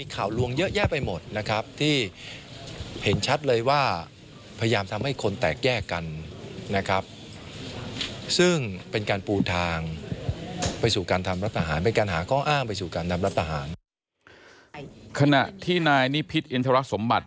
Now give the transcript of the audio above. ขณะที่นายนิพิชน์อินเทอร์ลักษณ์สมบัติ